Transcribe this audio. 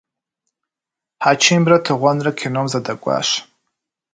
Хьэчимрэ Тыгъуэнрэ кином зэдэкӏуащ.